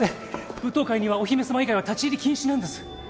舞踏会にはお姫さま以外は立ち入り禁止なんです。